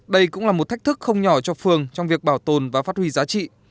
đây cũng là một thách thức không nhỏ cho phường trong việc bảo tồn và phát huy giá trị